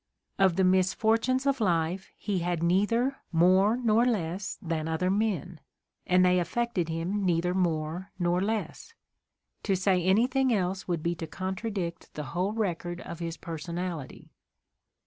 Of the misfortunes of life he had neither more nor less than other men, and they affected him neither more nor less. To say any thing else would be to contradict the whole record of his personality.